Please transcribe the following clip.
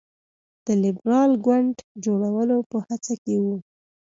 د لېبرال ګوند جوړولو په هڅه کې وو.